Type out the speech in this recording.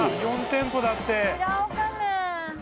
４店舗だって。